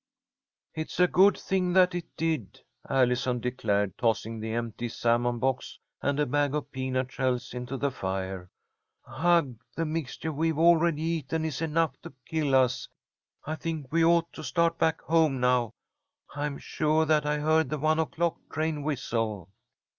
"It's a good thing that it did," Allison declared, tossing the empty salmon box and a bag of peanut shells into the fire. "Ugh! The mixture we've already eaten is enough to kill us! I think we ought to start back home now. I'm sure that I heard the one o'clock train whistle."